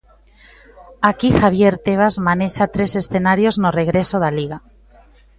Aquí Javier Tebas manexa tres escenarios no regreso da Liga.